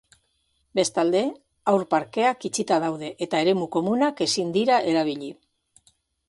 Bestalde, haur parkeak itxita daude eta eremu komunak ezin dira erabili.